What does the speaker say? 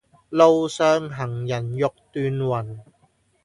路上行人欲斷魂